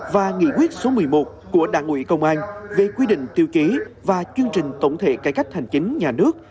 và nghị quyết số một mươi một của đảng ủy công an về quy định tiêu chí và chương trình tổng thể cải cách hành chính nhà nước